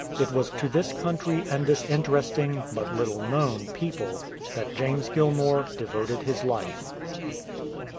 It was to this country and this interesting, but little known, people that James Gilmour devoted his life.